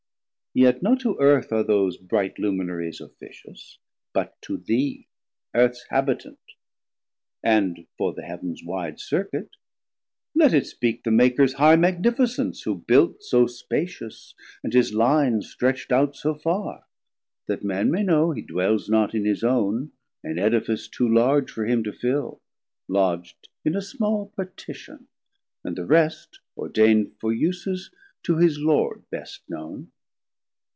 Yet not to Earth are those bright Luminaries Officious, but to thee Earths habitant. And for the Heav'ns wide Circuit, let it speak 100 The Makers high magnificence, who built So spacious, and his Line stretcht out so farr; That Man may know he dwells not in his own; An Edifice too large for him to fill, Lodg'd in a small partition, and the rest Ordain'd for uses to his Lord best known.